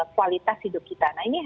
kualitas hidup kita nah ini yang